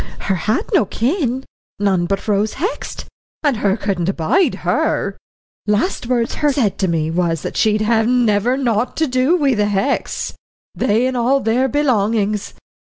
"Her had no kin none but Rose Hext, and her couldn't abide her. Last words her said to me was that she'd 'have never naught to do wi' the Hexts, they and all their belongings.'"